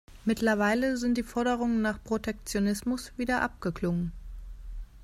Mittlerweile sind die Forderungen nach Protektionismus wieder abgeklungen.